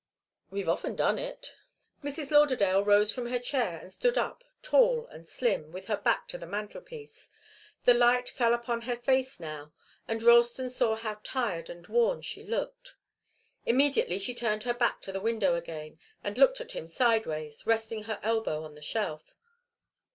We've often done it." Mrs. Lauderdale rose from her chair and stood up, tall and slim, with her back to the mantelpiece. The light fell upon her face now, and Ralston saw how tired and worn she looked. Immediately she turned her back to the window again, and looked at him sideways, resting her elbow on the shelf.